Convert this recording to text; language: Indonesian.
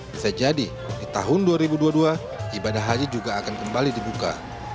bisa jadi di tahun dua ribu dua puluh dua ibadah haji juga akan kembali dibuka